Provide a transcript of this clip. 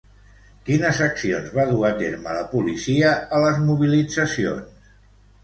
Quines accions va dur a terme la policia a les mobilitzacions?